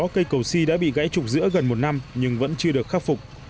cây cầu si đã bị gãy trục giữa gần một năm nhưng vẫn chưa được khắc phục